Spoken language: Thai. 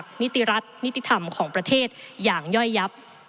ของประเทศอย่างย่อยยับ